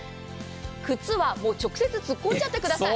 靴は直接突っ込んじゃってください。